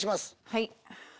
はい。